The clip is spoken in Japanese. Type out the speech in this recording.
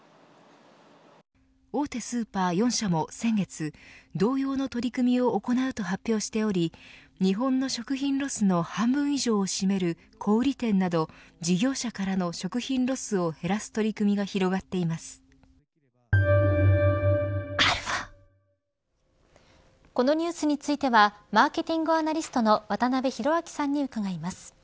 大手スーパー４社も先月同様の取り組みを行うと発表しており日本の食品ロスの半分以上を占める小売店など事業者からの食品ロスを減らす取り組みがこのニュースについてはマーケティングアナリストの渡辺広明さんに伺います。